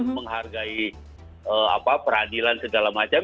menghargai peradilan segala macam